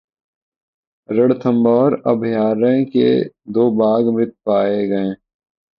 रणथम्भौर अभयारण्य के दो बाघ मृत पाये गये